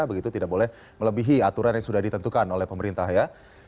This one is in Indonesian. begitu tidak boleh melebihi aturan yang sudah ditentukan oleh pemerintah ya